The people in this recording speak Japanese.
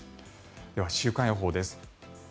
では週間予報です。